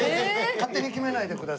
勝手に決めないでください。